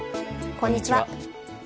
こんにちは。